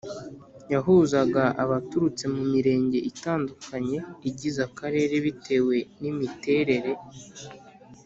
yahuzaga abaturutse mu Mirenge itandukanye igize Akarere bitewe n imiterere